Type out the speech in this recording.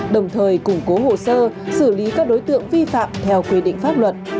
đồng thời củng cố hồ sơ xử lý các đối tượng vi phạm theo quy định pháp luật